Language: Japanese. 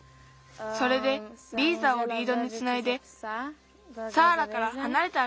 それでリーザをリードにつないでサーラからはなれてあるいたんだ。